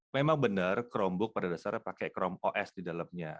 memang benar chromebook pada dasarnya pakai chrome os di dalamnya